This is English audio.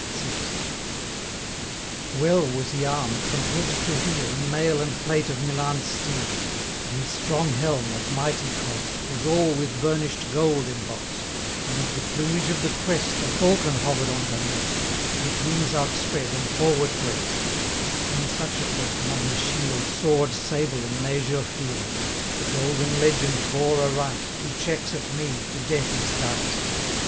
VI. Well was he arm'd from head to heel, In mail and plate of Milan steel; But his strong helm, of mighty cost, 80 Was all with burnish'd gold emboss'd; Amid the plumage of the crest, A falcon hover'd on her nest, With wings outspread, and forward breast; E'en such a falcon, on his shield, 85 Soar'd sable in an azure field: The golden legend bore aright, Who checks at me, to death is dight.